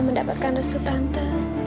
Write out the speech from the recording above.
mendapatkan restu tante